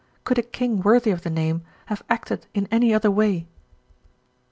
Could a king worthy of the name have acted in any other way?"